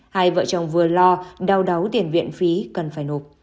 hai vợ chồng vừa lo đau đáu tiền viện phí cần phải nộp